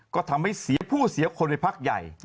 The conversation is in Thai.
ก็ทำให้เสียผู้เสียคนไปพักใหญ่